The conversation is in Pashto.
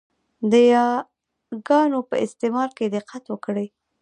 د یاګانو په استعمال کې دقت وکړئ!